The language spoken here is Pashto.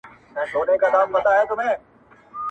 كښېنستلى كرار نه يم له چالونو -